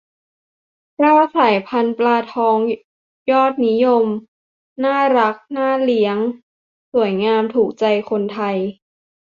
เก้า สายพันธุ์ปลาทองยอดนิยม น่ารัก น่าเลี้ยง สวยงาม ถูกใจคนไทย